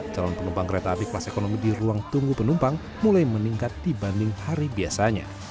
calon penumpang kereta api kelas ekonomi di ruang tunggu penumpang mulai meningkat dibanding hari biasanya